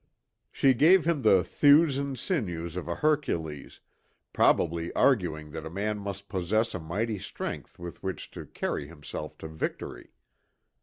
She gave him the thews and sinews of a Hercules, probably arguing that a man must possess a mighty strength with which to carry himself to victory.